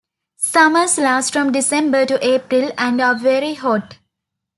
Summers last from December to April and are very hot.